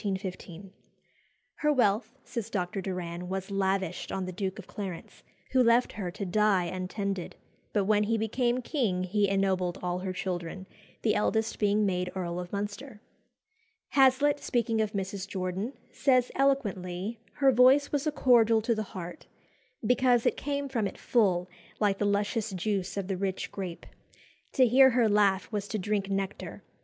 "Her wealth," says Dr. Doran, "was lavished on the Duke of Clarence, who left her to die untended; but when he became king he ennobled all her children, the eldest being made Earl of Munster." Hazlitt, speaking of Mrs. Jordan, says eloquently, her voice "was a cordial to the heart, because it came from it full, like the luscious juice of the rich grape. To hear her laugh was to drink nectar.